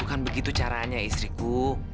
bukan begitu caranya istriku